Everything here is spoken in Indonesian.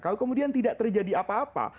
kalau kemudian tidak terjadi apa apa